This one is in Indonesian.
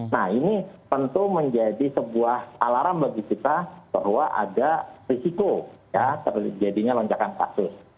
nah ini tentu menjadi sebuah alarm bagi kita bahwa ada risiko ya terjadinya lonjakan kasus